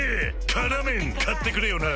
「辛麺」買ってくれよな！